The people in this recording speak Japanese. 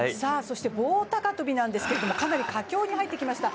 棒高跳なんですがかなり佳境に入ってきました。